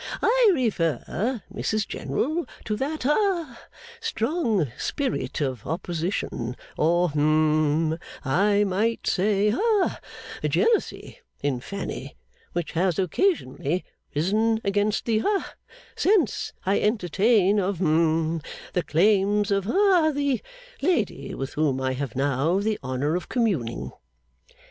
'I refer, Mrs General, to that ha strong spirit of opposition, or hum I might say ha jealousy in Fanny, which has occasionally risen against the ha sense I entertain of hum the claims of ha the lady with whom I have now the honour of communing.